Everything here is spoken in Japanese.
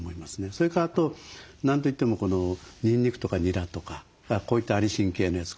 それからあと何と言ってもこのにんにくとかにらとかこういったアリシン系のやつ。